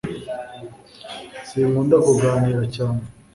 sinkunda kuganira cyane